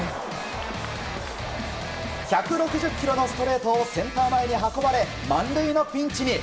１６０キロのストレートをセンター前に運ばれ満塁のピンチに。